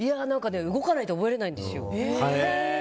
動かないと覚えられないんですよ。